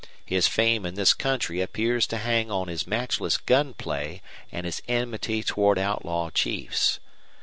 His fame in this country appears to hang on his matchless gun play and his enmity toward outlaw chiefs.